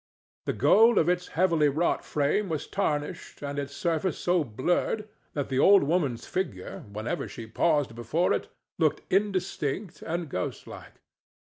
The gold of its heavily wrought frame was tarnished, and its surface so blurred that the old woman's figure, whenever she paused before it, looked indistinct and ghostlike.